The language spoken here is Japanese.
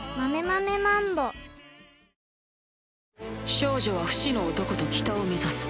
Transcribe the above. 少女は不死の男と北を目指す。